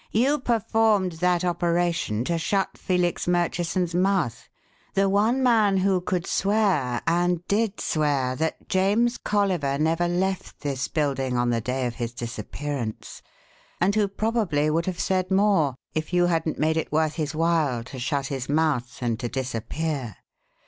"You performed that operation to shut Felix Murchison's mouth the one man who could swear, and did swear, that James Colliver never left this building on the day of his disappearance, and who probably would have said more if you hadn't made it worth his while to shut his mouth and to disappear.